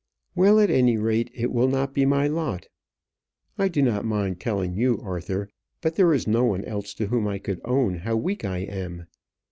"Well, at any rate it will not be my lot. I do not mind telling you, Arthur, but there is no one else to whom I could own how weak I am.